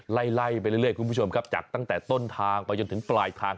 ไล่ไปเรื่อยคุณผู้ชมครับจากตั้งแต่ต้นทางไปจนถึงปลายทาง